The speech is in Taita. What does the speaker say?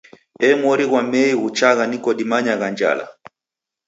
Ee mori ghwa Mei ghuchagha niko dimanyaa njala!